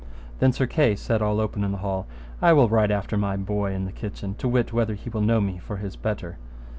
Then Sir Kay said all open in the hall, I will ride after my boy in the kitchen, to wit whether he will know me for his better.